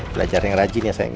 belajar yang rajin ya saya